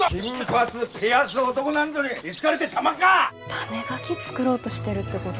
種ガキ作ろうとしてるってごど？